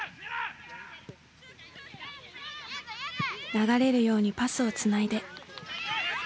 流れるようにパスをつないで。